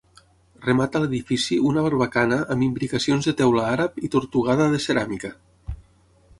Remata l'edifici una barbacana amb imbricacions de teula àrab i tortugada de ceràmica.